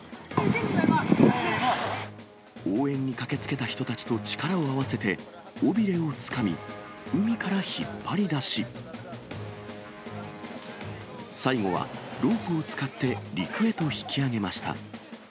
応援に駆けつけた人たちと力を合わせて、尾びれをつかみ、海から引っ張り出し、最後はロープを使って、陸へと引き上げました。